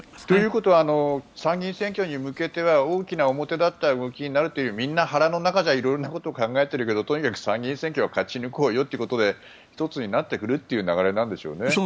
ということは参議院選挙に向けては大きな表立った動きになるというよりみんな腹の中じゃ色んなことを考えているけどとにかく参議院選挙は勝ち抜こうよということで１つになってくるという流れなんでしょうね。